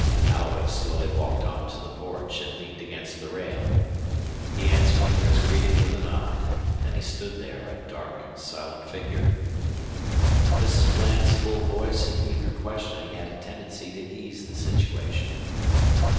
Alloway slowly walked on to the porch and leaned against the rail. He answered Euchre's greeting with a nod. Then he stood there a dark, silent figure. Mrs. Bland's full voice in eager questioning had a tendency to ease the situation.